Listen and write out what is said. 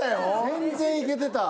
全然いけてた。